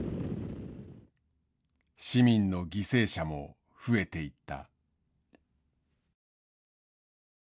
市民の犠牲者も増えていった。